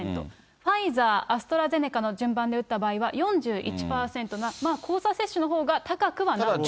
ファイザー、アストラゼネカの順番で打った場合は４１％が、交差接種のほうが高くはなっていると。